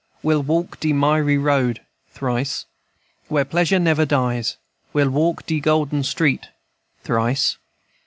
We'll walk de miry road (Thrice.) Where pleasure never dies. We'll walk de golden street _(Thrice.)